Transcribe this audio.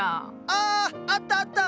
ああったあった！